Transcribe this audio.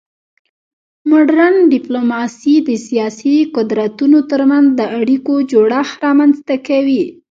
مډرن ډیپلوماسي د سیاسي قدرتونو ترمنځ د اړیکو جوړښت رامنځته کوي